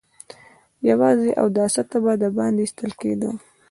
يواځې اوداسه ته به د باندې ايستل کېده.